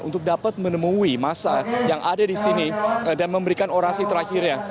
untuk dapat menemui masa yang ada di sini dan memberikan orasi terakhirnya